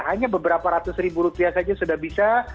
hanya beberapa ratus ribu rupiah saja sudah bisa